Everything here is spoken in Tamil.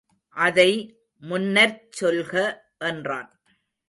அதை முன்னர்ச் சொல்க என்றான்.